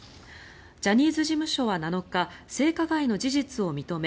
ジャニーズ事務所は７日性加害の事実を認め